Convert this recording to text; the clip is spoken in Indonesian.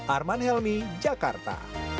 arman helmi jakarta